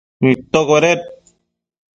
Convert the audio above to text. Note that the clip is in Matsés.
nidtocueded